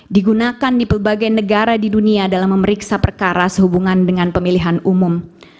digunakan di berbagai negara di dunia dalam memeriksa perkara sehubungan dengan pemilihan umum